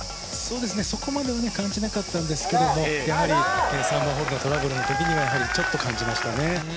そこまで感じなかったんですけど、やはりトラブルの時にはちょっと感じましたね。